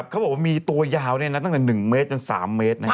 เขาบอกว่ามีตัวยาวตั้งแต่๑เมตรจน๓เมตร